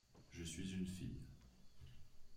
Je suis une fille.